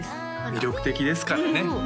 魅力的ですからね